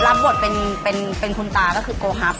รับบทเป็นคุณตาก็คือโกฮับ